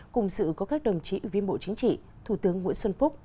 cùng sự có các đồng chí ủy viên bộ chính trị thủ tướng nguyễn xuân phúc